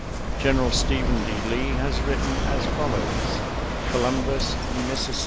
General Stephen D. Lee has written as fol lows: " Columbus, Miss.